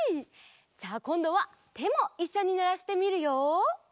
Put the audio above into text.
じゃあこんどはてもいっしょにならしてみるよ。